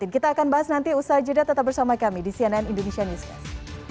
kita akan bahas nanti usaha jeda tetap bersama kami di cnn indonesia newscast